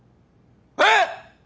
えっ？